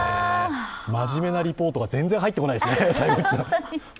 真面目なリポートが全然入ってこないですね。